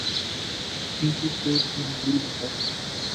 ان کی سوچ محدود ہے۔